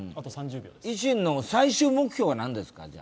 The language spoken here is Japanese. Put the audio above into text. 維新の最終目標は何ですか？